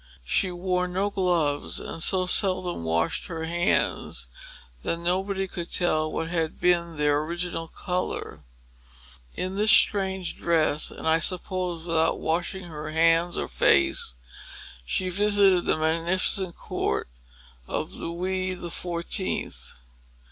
She wore no gloves, and so seldom washed her hands that nobody could tell what had been their original color. In this strange dress, and, I suppose, without washing her hands or face, she visited the magnificent court of Louis the Fourteenth.